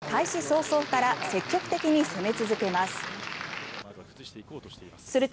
古賀は開始早々から積極的に攻め続けます。